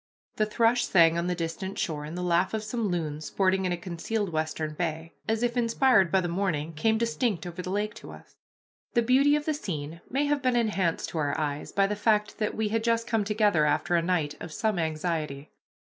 The thrush sang on the distant shore, and the laugh of some loons, sporting in a concealed western bay, as if inspired by the morning, came distinct over the lake to us. The beauty of the scene may have been enhanced to our eyes by the fact that we had just come together after a night of some anxiety.